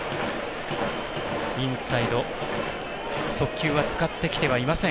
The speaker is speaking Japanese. インサイド、速球は使ってきてはいない